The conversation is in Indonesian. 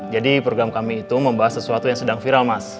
jadi program kami itu membahas sesuatu yang sedang viral mas